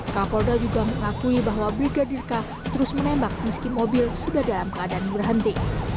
kapolda juga mengakui bahwa brigadir k terus menembak meski mobil sudah dalam keadaan berhenti